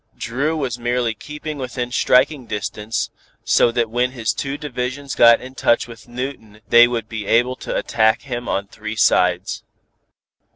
Dru was merely keeping within striking distance, so that when his two divisions got in touch with Newton they would be able to attack him on three sides.